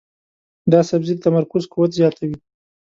دا سبزی د تمرکز قوت زیاتوي.